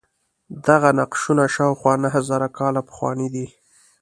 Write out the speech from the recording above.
دغه نقشونه شاوخوا نهه زره کاله پخواني دي.